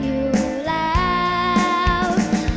อยู่แล้ว